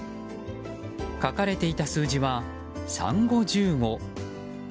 書かれていた数字は「三五十五」